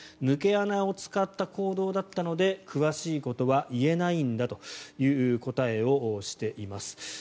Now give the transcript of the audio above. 抜け穴を使った行動だったので詳しいことは言えないんだという答えをしています。